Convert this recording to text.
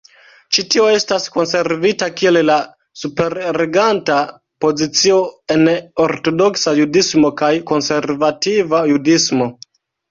Ĉi tio estas konservita kiel la superreganta pozicio en ortodoksa judismo kaj konservativa judismo.